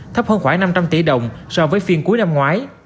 thấp hơn khoảng năm trăm linh tỷ đồng so với phiên cuối năm ngoái